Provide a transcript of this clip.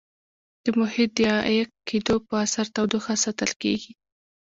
د محیط د عایق کېدو په اثر تودوخه ساتل کیږي.